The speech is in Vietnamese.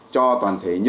cho toàn thế hệ